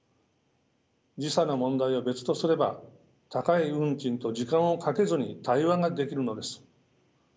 時差の問題を別とすれば高い運賃と時間をかけずに対話ができるのです。